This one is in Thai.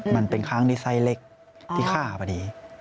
มันเป็นครั้งที่ไส้เล็กที่ฆ่าพอดี